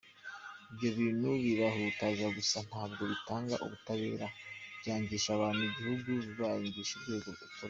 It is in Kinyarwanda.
Ibyo bintu birahutaza gusa, ntabwo bitanga ubutabera, byangisha abantu igihugu, bibangisha urwego ukorera.